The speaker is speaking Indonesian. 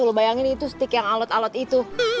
lo bayangin itu stick yang alut alut itu